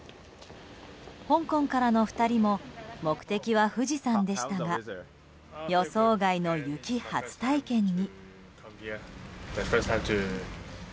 香港からの２人も目的は富士山でしたが予想外の雪初体験に。